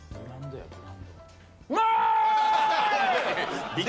うまい！